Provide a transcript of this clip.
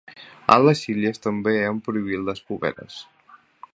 A les Illes també han prohibit les fogueres.